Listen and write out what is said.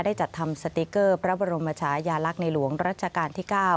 จัดทำสติ๊กเกอร์พระบรมชายาลักษณ์ในหลวงรัชกาลที่๙